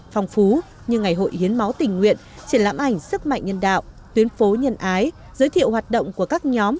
phong phú như ngày hội hiến máu tình nguyện triển lãm ảnh sức mạnh nhân đạo tuyến phố nhân ái giới thiệu hoạt động của các nhóm